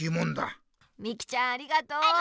みきちゃんありがとう。